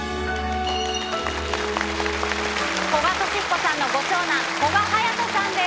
古賀稔彦さんのご長男、古賀颯人さんです。